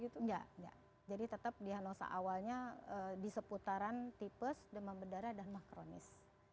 tidak jadi tetap diagnosa awalnya di seputaran tipis demam berdarah dan emah kronis